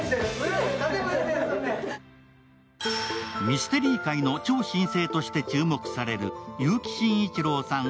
ミステリー界の超新星として注目される結城真一郎さん